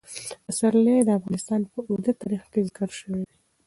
پسرلی د افغانستان په اوږده تاریخ کې ذکر شوی دی.